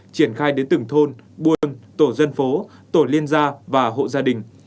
triển khai đến từng thôn buôn tổ dân phố tổ liên gia và hộ gia đình